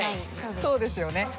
そうですよね。